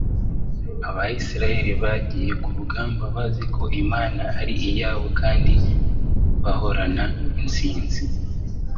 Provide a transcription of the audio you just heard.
Abisirayeli bagiye ku rugamba bazi ko Imana ari iyabo kandi bahorana intsinzi